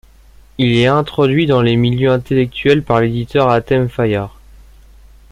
Il est introduit dans les milieux intellectuels par l'éditeur Arthème Fayard.